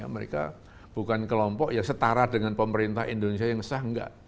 mereka bukan kelompok setara dengan pemerintah indonesia yang sah